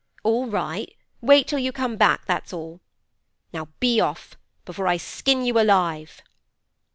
All right! Wait till you come back, that's all. Now be off, before I skin you alive!